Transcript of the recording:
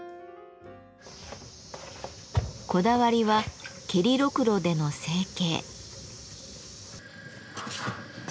こだわりは蹴りろくろでの成形。